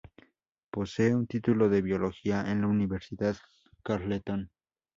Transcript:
Posee un título en Biología en la Universidad Carleton.